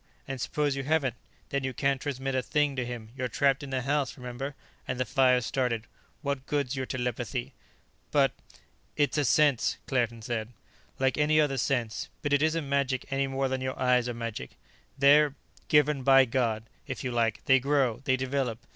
And suppose you haven't? Then you can't transmit a thing to him; you're trapped in the house, remember, and the fire's started. What good's your telepathy?" "But " "It's a sense," Claerten said. "Like any other sense. But it isn't magic any more than your eyes are magic. They're ... given by God, if you like; they grow, they develop.